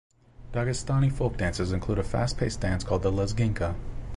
Dagestani folk dances include a fast-paced dance called the "lezginka".